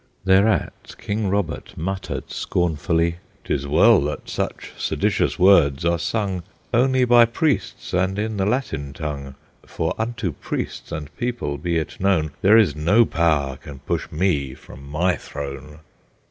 Thereat King Robert muttered scornfully, "'Tis well that such seditious words are sung Only by priests and in the Latin tongue; For unto priests and people be it known, There is no power can push me from my throne!"